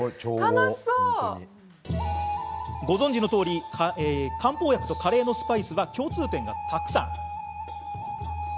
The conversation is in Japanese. ご存じのとおり漢方薬とカレーのスパイスは共通点がたくさん。